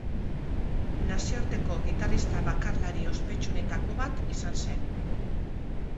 Nazioarteko gitarrista bakarlari ospetsuenetako bat izan zen.